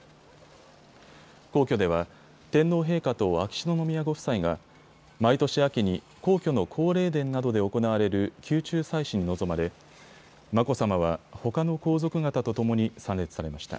皇居では天皇陛下と秋篠宮ご夫妻が毎年秋に皇居の皇霊殿などで行われる宮中祭祀に臨まれ眞子さまは、ほかの皇族方とともに参列されました。